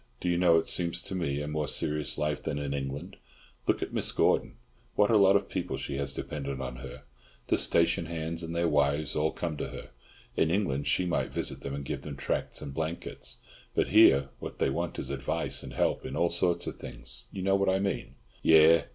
Do you know, it seems to me a more serious life than in England. Look at Mrs. Gordon, what a lot of people she has dependent on her. The station hands and their wives, all come to her. In England she might visit them and give them tracts and blankets, but here what they want is advice and help in all sorts of things. You know what I mean?" "Yes.